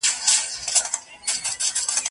زه کتاب یم د دردونو پښتانه له لوسته ځغلي